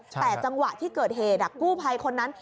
แต่จังหวะที่เกิดเหตุกู้ภัยคนนั้น